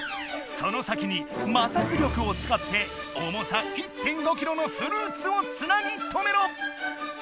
その先に摩擦力をつかっておもさ１．５キロのフルーツをつなぎとめろ！